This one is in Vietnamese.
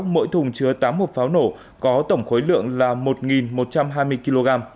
mỗi thùng chứa tám hộp pháo nổ có tổng khối lượng là một một trăm hai mươi kg